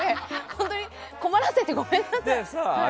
本当に、困らせてごめんなさい。